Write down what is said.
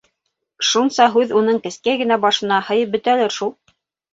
— Шунса һүҙ уның кескәй генә башына һыйып бөтәлер шул?